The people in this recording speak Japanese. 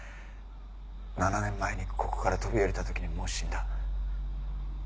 ７年前にここから飛び降りた時にもう死んだ。